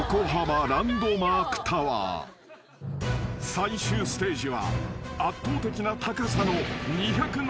［最終ステージは圧倒的な高さの］